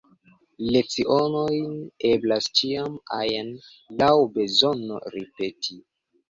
Lecionojn eblas ĉiam ajn laŭ bezono ripeti.